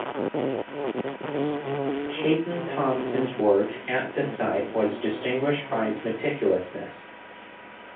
Caton Thompson's work at the site was distinguished by its meticulousness.